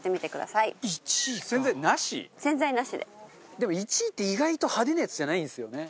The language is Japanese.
でも１位って意外と派手なやつじゃないんですよね。